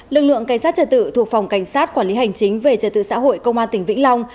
lực lượng cảnh sát trật tự thuộc phòng cảnh sát quản lý hành chính về trật tự xã hội công an tỉnh vĩnh long